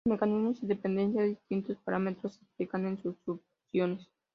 Sus mecanismos y dependencia de distintos parámetros se explican en subsecciones.